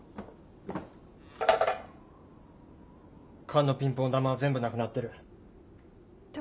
缶のピンポン球は全部なくなってる。